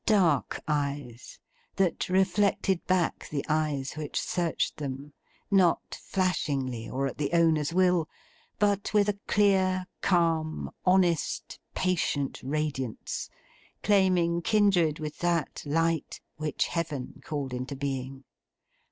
Dark eyes, that reflected back the eyes which searched them; not flashingly, or at the owner's will, but with a clear, calm, honest, patient radiance, claiming kindred with that light which Heaven called into being.